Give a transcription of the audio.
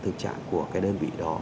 thương trạng của cái đơn vị đó